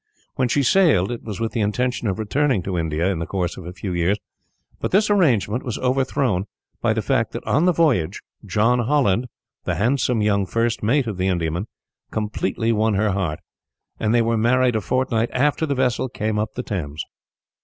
When she sailed, it was with the intention of returning to India, in the course of a few years; but this arrangement was overthrown by the fact that on the voyage, John Holland, the handsome young first mate of the Indiaman, completely won her heart, and they were married a fortnight after the vessel came up the Thames.